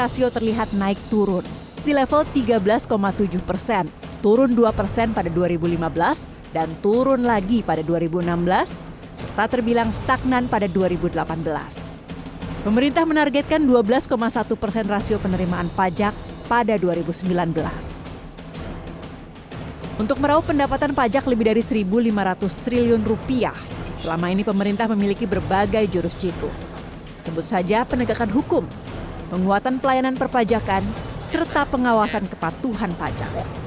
seja penegakan hukum penguatan pelayanan perpajakan serta pengawasan kepatuhan pajak